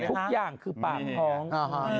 ทุกอย่างคือปากท้อง